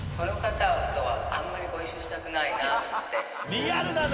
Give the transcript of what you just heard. リアルだね。